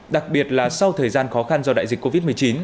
đặc biệt là sau thời gian khó khăn do đại dịch covid một mươi chín